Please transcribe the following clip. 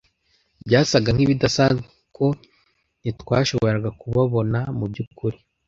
Byasaga nkibidasanzwe kuko ntitwashoboraga kubabona mubyukuri.